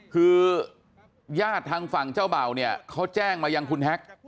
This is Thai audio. คือญาติทางฝั่งเจ้าเบ่าเนี่ยเขาแจ้งมายังคุณแฮ็ก